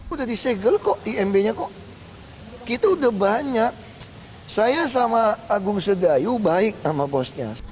udah disegel kok imb nya kok kita udah banyak saya sama agung sedayu baik sama bosnya